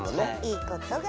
いいことがある。